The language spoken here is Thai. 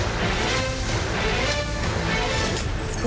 ชูวิทย์ตีแสกหน้า